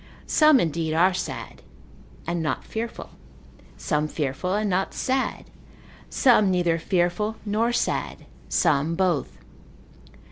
Some indeed are sad, and not fearful; some fearful and not sad; some neither fearful nor sad; some both.